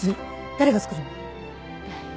誰が作るの？